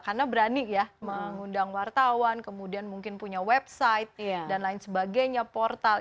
karena berani ya mengundang wartawan kemudian mungkin punya website dan lain sebagainya portal